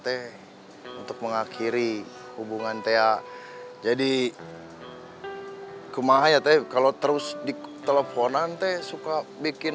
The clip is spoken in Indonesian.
teh untuk mengakhiri hubungan teh jadi kumah ya teh kalau terus di teleponan teh suka bikin